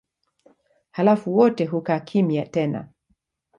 Halafu wote hukaa kimya tena.